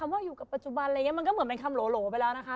ว่าอยู่กับปัจจุบันมันก็เหมือนเป็นคำโหลโหลไปแล้วนะคะ